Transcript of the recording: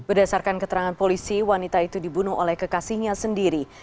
berdasarkan keterangan polisi wanita itu dibunuh oleh kekasihnya sendiri